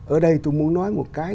ở đây tôi muốn nói một cái